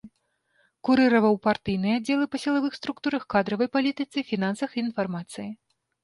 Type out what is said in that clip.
Курыраваў партыйныя аддзелы па сілавых структурах, кадравай палітыцы, фінансах і інфармацыі.